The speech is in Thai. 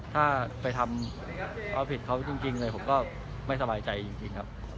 ถ้าไปทำเอาผิดเขาจริงเลยผมก็ไม่สบายใจจริงครับ